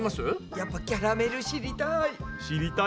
やっぱキャラメル知りたい。